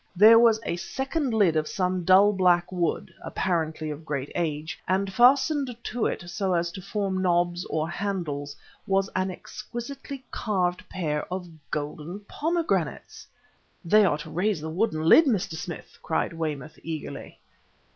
There was a second lid of some dull, black wood, apparently of great age, and fastened to it so as to form knobs or handles was an exquisitely carved pair of golden pomegranates! "They are to raise the wooden lid, Mr. Smith!" cried Weymouth eagerly.